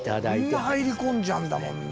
こんな入り込んじゃうんだもんね。